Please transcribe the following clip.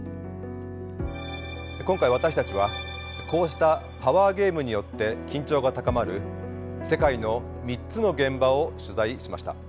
今回私たちはこうしたパワーゲームによって緊張が高まる世界の３つの現場を取材しました。